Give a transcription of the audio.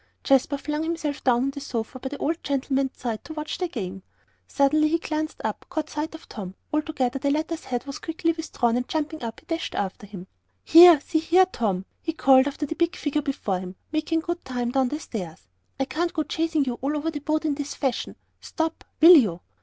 Jasper flung himself down on the sofa by the old gentleman's side to watch the game. Suddenly he glanced up, caught sight of Tom, although the latter's head was quickly withdrawn, and jumping up, he dashed after him. "Here see here, Tom!" he called to the big figure before him, making good time down the stairs. "I can't go chasing you all over the boat in this fashion. Stop, will you?"